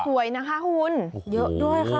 อุ้ยสวยนะคะหุ้นเยอะด้วยค่ะ